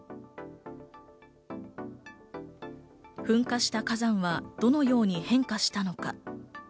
噴火した火山はどのように変化したのか。